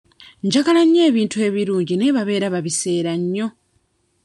Njagala nnyo ebintu ebirungi naye babeera babiseera nnyo.